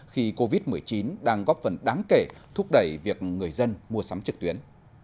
khi covid một mươi chín đang góp phần đáng kể thúc đẩy việc người dân mua sắm trực tuyến